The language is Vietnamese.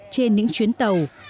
trên những chuyến tàu